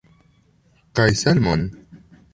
Kaj salmon!